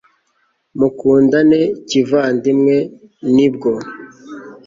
mukundane kivandimwe, nibwo